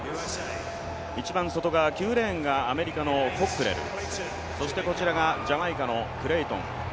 １番外側９レーンがアメリカのコックレル、そしてこちらがジャマイカのクレイトン。